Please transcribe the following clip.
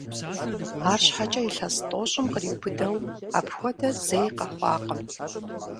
Арщхьэкӏэ илъэс тӏощӏым къриубыдэу апхуэдэ зэи къэхъуакъым.